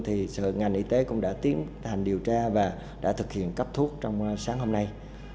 thì sở ngành y tế cũng đã tiến hành điều tra và đã thực hiện cấp thuốc trong sáng hôm nay